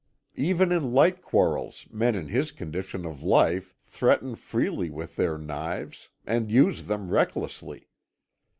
Even in light quarrels men in his condition of life threaten freely with their knives, and use them recklessly.